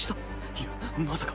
いやまさか。